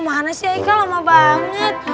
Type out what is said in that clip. mana sih aika lama banget